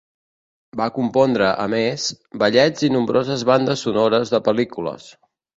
Va compondre, a més, ballets i nombroses bandes sonores de pel·lícules.